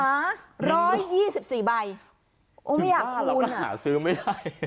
๑๒๔ใบไม่อยากคูณคุณบ้าเราก็หาซื้อไม่ได้